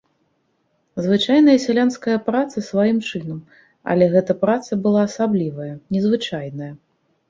Звычайная сялянская праца сваім чынам, але гэта праца была асаблівая, незвычайная.